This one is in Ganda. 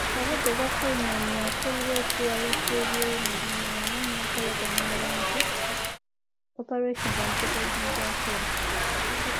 Kabogoza Simon y’akulira ekiwayi ky’eby'emirimu wamu n’enkolagana n’abantu (Operations and Cooperate Affairs).